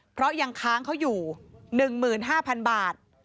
เพราะยังค้างเขาอยู่๑๕๐๐๐บาท